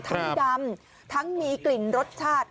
ดำทั้งมีกลิ่นรสชาติ